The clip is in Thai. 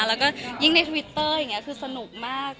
แล้วก็ยิ่งในทวิตเตอร์อย่างนี้คือสนุกมาก